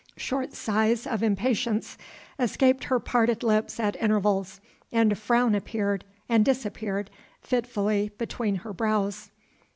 Short sighs of impatience escaped her parted lips at intervals and a frown appeared and disappeared fitfully between her brows.